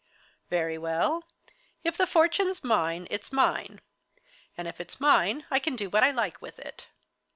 "Very well; if the fortune's mine, it's mine. And if it's mine I can do what I like with it.